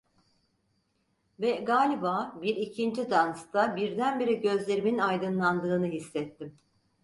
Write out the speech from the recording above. Ve galiba bir ikinci dansta birdenbire gözlerimin aydınlandığını hissettim.